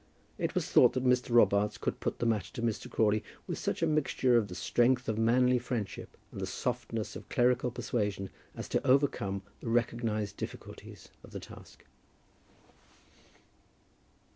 It was thought that Mr. Robarts could put the matter to Mr. Crawley with such a mixture of the strength of manly friendship and the softness of clerical persuasion, as to overcome the recognized difficulties of the task.